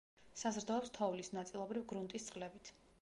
საზრდოობს თოვლის, ნაწილობრივ, გრუნტის წყლებით.